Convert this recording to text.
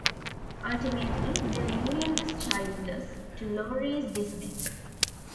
Ultimately, their union was childless, to Laurier's dismay.